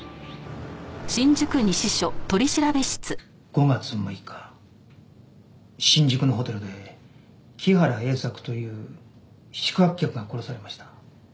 ５月６日新宿のホテルで木原栄作という宿泊客が殺されました。